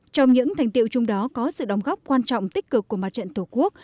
trong những thành tiệu chung đó có sự đóng góp quan trọng tích cực của mặt trận tổ quốc